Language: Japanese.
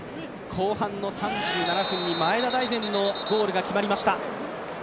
後半３７分に前田大然のゴールが決まりました。